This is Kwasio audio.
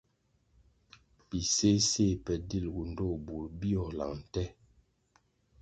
Biséséh pe dilgu ndtoh bur bíőh lang nte.